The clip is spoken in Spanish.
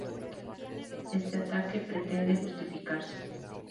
Este ataque pretende justificarse